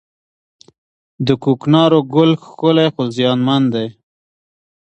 د کوکنارو ګل ښکلی خو زیانمن دی